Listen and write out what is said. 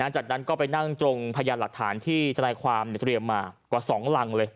จากนั้นก็ไปนั่งตรงพยานหลักฐานที่ทนายความเตรียมมากว่า๒รังเลย